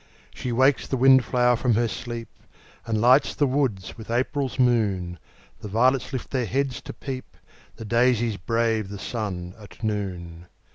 She wakes the wind flower from her sleep, And lights the woods with April's moon; The violets lift their heads to peep, The daisies brave the sun at noon.